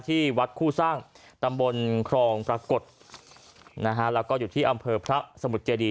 ที่วัดคู่สร้างตำบลครองปรากฏนะฮะแล้วก็อยู่ที่อำเภอพระสมุทรเจดี